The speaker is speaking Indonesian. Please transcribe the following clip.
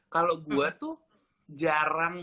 kalau gue tuh jarang